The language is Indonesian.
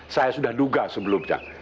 saya sudah duga sebelumnya